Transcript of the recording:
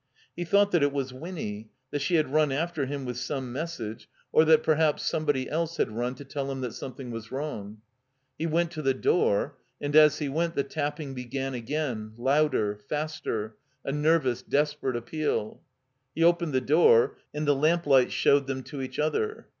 He thought that it was Winny, that she had nm after him with some message, or that 375 THE COMBINED MAZE perhaps somebody else had run to tell him that sometiiing was wrong. He went to the door; and as he went the tapping b^;an again, louder, faster, a nervous, desperate appeal He opened the door, and the lamplight showed them to each other.